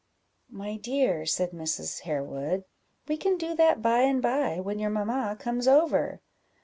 "My dear," said Mrs. Harewood, "we can do that by and by, when your mamma comes over."